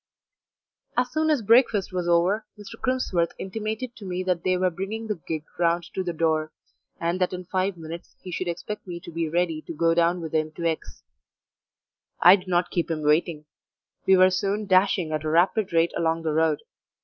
As soon as breakfast was over Mr. Crimsworth intimated to me that they were bringing the gig round to the door, and that in five minutes he should expect me to be ready to go down with him to X . I did not keep him waiting; we were soon dashing at a rapid rate along the road.